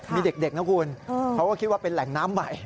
มีเด็กนะคุณเขาก็คิดว่าเป็นแหล่งน้ำใหม่